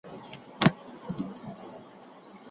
که زده کړه په لوبو کې شامله وي، ماشوم نه ستړی کېږي.